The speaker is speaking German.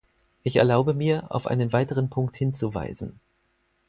Ich erlaube mir, auf einen weiteren Punkt hinzuweisen.